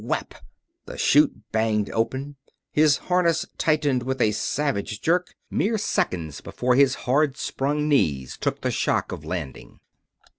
Z r r e e k WHAP! The chute banged open; his harness tightened with a savage jerk, mere seconds before his hard sprung knees took the shock of landing.